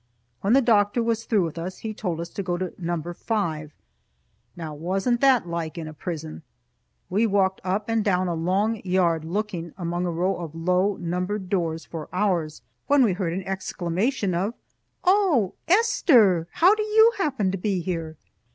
When the doctor was through with us he told us to go to Number Five. Now wasn't that like in a prison? We walked up and down a long yard looking, among a row of low, numbered doors, for ours, when we heard an exclamation of, "Oh, Esther! how do you happen to be here?"